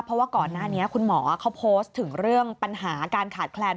เพราะว่าก่อนหน้านี้คุณหมอเขาโพสต์ถึงเรื่องปัญหาการขาดแคลน